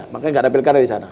makanya nggak ada pilkada di sana